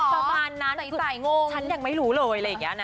ประมาณนั้นฉันยังไม่รู้เลยอะไรอย่างนี้นะ